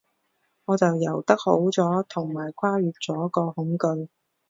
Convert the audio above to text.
我就游得好咗，同埋跨越咗個恐懼